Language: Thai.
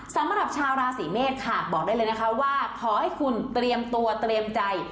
สำหรับชาวราศีเมษค่ะบอกได้เลยนะคะว่าขอให้คุณเตรียมตัวเตรียมใจ